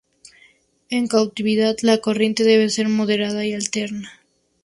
En cautividad, la corriente debe ser moderada y alterna.